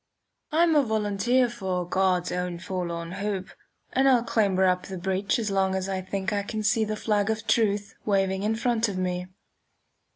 I'm a volunteer for "God's own forlorn hope," and I'll clamber up the breech as long as I think I can see the flag of truth waving in front of me.